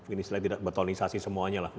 ini selain tidak betonisasi semuanya lah